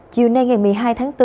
chiều nay ngày một mươi hai tháng bốn